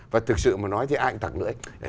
và thực sự mà nói thì ai cũng tặng nữa